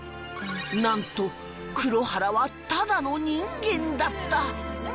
なんと黒原はただの人間だった！